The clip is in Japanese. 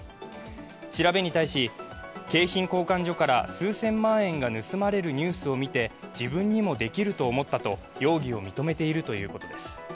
調べに対し、景品交換所から数千万円が盗まれるニュースを見て自分にもできると思ったと容疑を認めているということです。